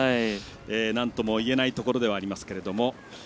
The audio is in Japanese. なんともいえないところでありますけれども。